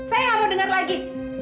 saya nggak mau dengar lagi